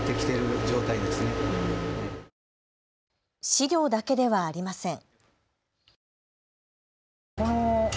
飼料だけではありません。